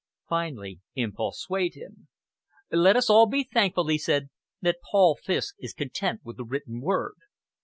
Finally, impulse swayed him. "Let us all be thankful," he said, "that Paul Fiske is content with the written word.